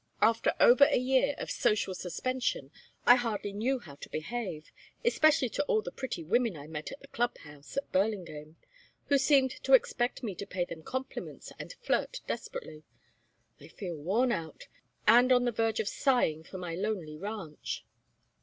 After over a year of social suspension I hardly knew how to behave, especially to all the pretty women I met at the Club House at Burlingame, who seemed to expect me to pay them compliments and flirt desperately. I feel worn out, and on the verge of sighing for my lonely ranch."